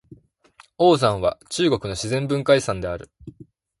黄山は中国の自然文化遺産である。